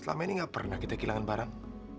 selama ini gak pernah kita kehilangan barang